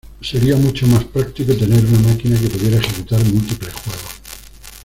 Sería mucho más práctico tener una máquina que pudiera ejecutar múltiples juegos.